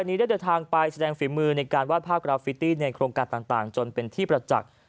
วันนี้ได้เดินทางไปแสดงฝีมือในการวาดภาพกราฟิตี้ในโครงการต่างจนเป็นที่ประจักษ์